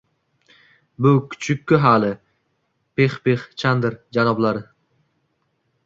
– Bu – kuchuk-ku hali, Pixpix Chandr janoblari